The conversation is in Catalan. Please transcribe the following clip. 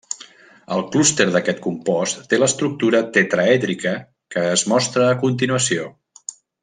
El clúster d'aquest compost té l'estructura tetraèdrica que es mostra a continuació.